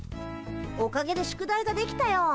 おかげで宿題が出来たよ。